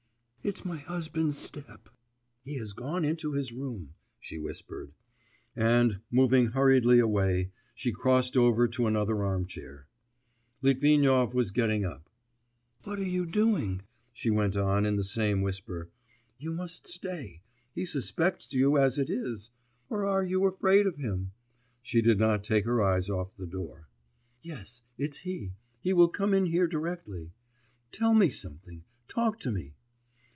'It's my husband's step, ... he has gone into his room,' she whispered, and, moving hurriedly away, she crossed over to another armchair. Litvinov was getting up.... 'What are you doing?' she went on in the same whisper; 'you must stay, he suspects you as it is. Or are you afraid of him?' She did not take her eyes off the door. 'Yes, it's he; he will come in here directly. Tell me something, talk to me.